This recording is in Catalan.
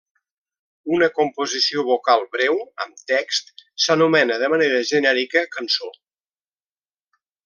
Una composició vocal breu amb text s'anomena, de manera genèrica, cançó.